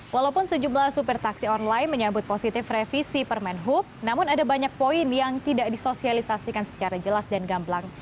walaupun sejumlah supir taksi online menyambut positif revisi permen hub namun ada banyak poin yang tidak disosialisasikan secara jelas dan gamblang